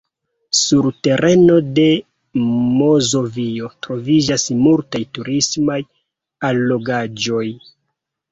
Sur tereno de Mazovio troviĝas multaj turismaj allogaĵoj.